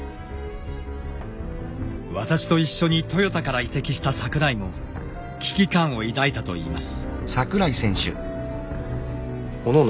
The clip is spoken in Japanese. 私と一緒にトヨタから移籍した桜井も危機感を抱いたといいます。